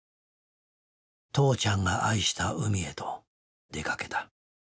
父ちゃんが愛した海へと出かけた。